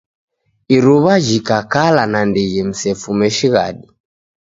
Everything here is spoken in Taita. Iruw'a jhikakala nandighi msefume shighadi.